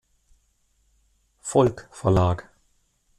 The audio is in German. Volk Verlag